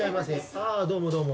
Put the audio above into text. ああどうもどうも。